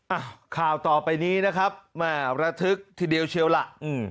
อ้าวข่าวต่อไปนี้นะครับมารักษ์ทึกที่เดี๋ยวเชียวล่ะอืม